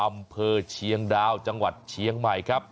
อำเภอเชียงดาวจังหวัดเชียงใหม่ครับ